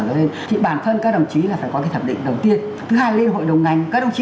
lên thì bản thân các đồng chí là phải có cái thẩm định đầu tiên thứ hai là lên hội đồng ngành các đồng chí